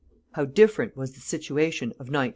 How different was the situation of 1900 14!